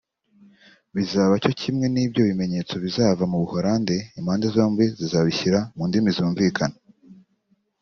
Bizaba cyo kimwe n’ibyo bimenyetso bizava mu Buholande impande zombi zizabishyira mu ndimi zumvikana